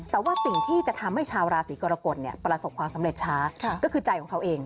แต่ว่าสิ่งที่จะทำให้ชาวราศีกรกฎประสบความสำเร็จช้าก็คือใจของเขาเอง